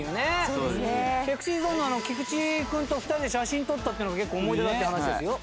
ＳｅｘｙＺｏｎｅの菊池君と２人で写真撮ったっていうのが結構思い出だって話ですよ。